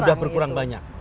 sudah berkurang banyak